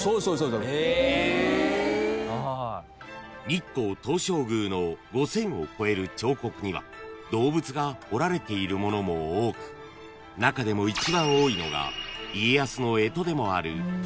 ［日光東照宮の５，０００を超える彫刻には動物が彫られているものも多く中でも一番多いのが］